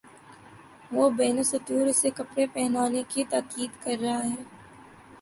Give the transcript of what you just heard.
وہ بین السطور اسے کپڑے پہنانے کی تاکید کر رہا ہے۔